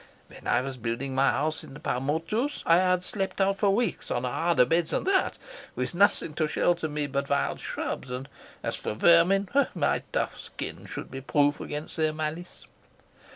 When I was building my house in the Paumotus I had slept out for weeks on a harder bed than that, with nothing to shelter me but wild shrubs; and as for vermin, my tough skin should be proof against their malice.